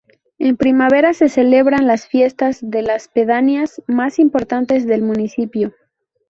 En primavera se celebran las fiestas de las pedanías más importantes del municipio.